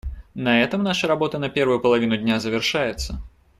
На этом наша работа на первую половину дня завершается.